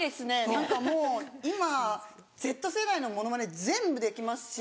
何かもう今Ｚ世代のモノマネ全部できますし。